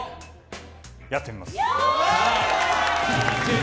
やってみます。